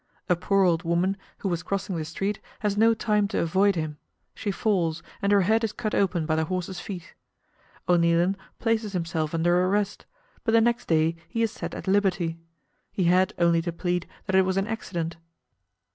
A poor old woman who was crossing the street has no time to avoid him, she falls, and her head is cut open by the horse's feet. O'Neilan places himself under arrest, but the next day he is set at liberty. He had only to plead that it was an accident.